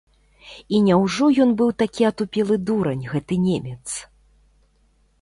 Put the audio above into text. І няўжо ён быў такі атупелы дурань, гэты немец?